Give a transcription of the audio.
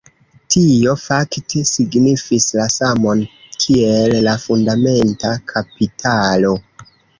Tio fakte signifis la samon kiel la fundamenta kapitalo.